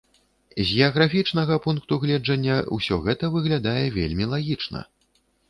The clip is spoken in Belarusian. З геаграфічнага пункту гледжання ўсё гэта выглядае вельмі лагічна.